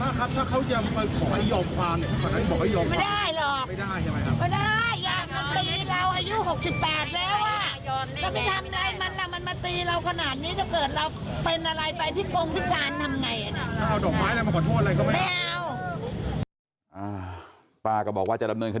ป้าครับถ้าเขาจะมาขอให้ยอมความขอให้บอกให้ยอมความไม่ได้หรอกไม่ได้ใช่ไหมครับ